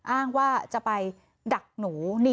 อ้างว่าจะไปดักหนู